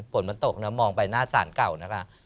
ฝนมันตกนะมองไปหน้าศาลเก่านะคะ